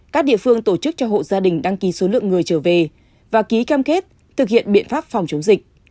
các địa phương tổ chức cho hộ gia đình đăng ký số lượng người trở về và ký cam kết thực hiện biện pháp phòng chống dịch